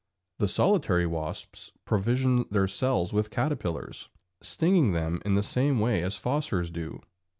The solitary wasps provision their cells with caterpillars, stinging them in the same way as the fossors do.